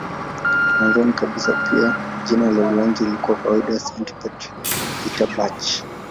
Mwanzoni kabisa jina la Kiholanzi lilikuwa kawaida "Sankt-Pieterburch".